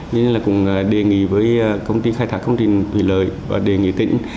nên là cũng đề nghị với công ty khai thác công trình thủy lợi và đề nghị tỉnh